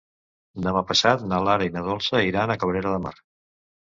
Demà passat na Lara i na Dolça iran a Cabrera de Mar.